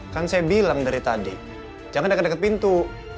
kan saya bilang dari tadi jangan deket deket pintu